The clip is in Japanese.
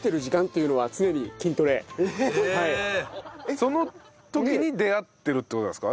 その時に出会ってるって事なんですか？